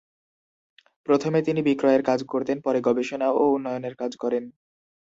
প্রথমে তিনি বিক্রয়ের কাজ করতেন, পরে গবেষণা ও উন্নয়নে কাজ করেন।